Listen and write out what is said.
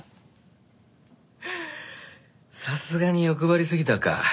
さすがに欲張りすぎたか。